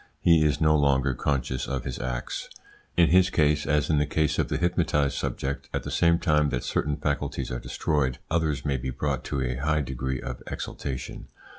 He is no longer conscious of his acts. In his case, as in the case of the hypnotised subject, at the same time that certain faculties are destroyed, others may be brought to a high degree of exaltation.